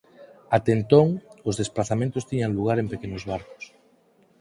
Até entón os desprazamentos tiñan lugar en pequenos barcos.